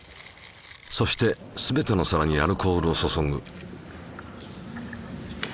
そしてすべての皿にアルコールを注ぐ。